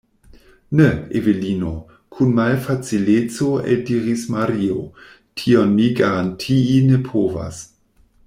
Ne, Evelino, kun malfacileco eldiris Mario, tion mi garantii ne povas.